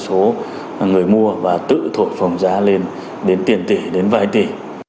số người mua và tự thuộc phòng giá lên đến tiền tỷ đến vài tỷ